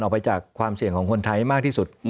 ออกไปจากความเสี่ยงของคนไทยมากที่สุด